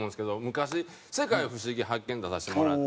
昔『世界ふしぎ発見！』に出させてもらって。